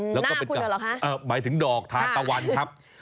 หน้าคุณเหรอเหรอคะอ้าวหมายถึงดอกทานตะวันครับอืม